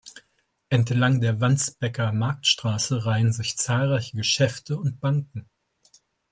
Entlang der Wandsbeker Marktstraße reihen sich zahlreiche Geschäfte und Banken.